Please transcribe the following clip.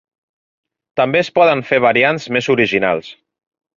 També es poden fer variants més originals.